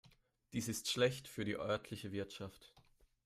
Dies ist schlecht für die örtliche Wirtschaft.